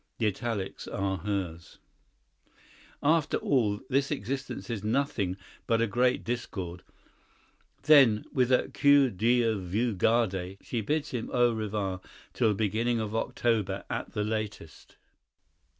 (The italics are hers.) "After all, this existence is nothing but a great discord." Then, with a "que Dieu vous garde," she bids him au revoir till the beginning of October at the latest.